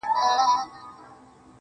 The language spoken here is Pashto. له پخوانو کمبلو پاته دوې ټوټې دي وړې،